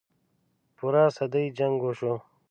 پوره صدۍ جـنګ وشو.